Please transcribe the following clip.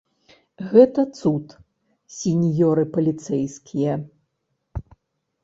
Гэта цуд, сіньёры паліцэйскія!